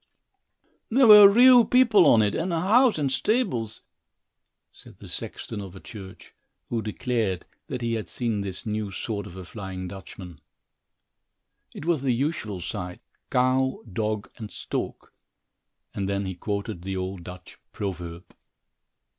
"There were real people on it and a house and stables," said the sexton of a church, who declared that he had seen this new sort of a flying Dutchman. It was the usual sight "cow, dog, and stork," and then he quoted the old Dutch proverb.